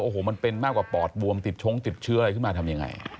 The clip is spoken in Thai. โอ้โหมันเป็นมากกว่าปอดบวมติดชงติดเชื้ออะไรขึ้นมาทำยังไง